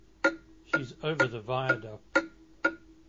She’s over the viaduct.